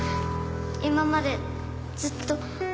今までずっと。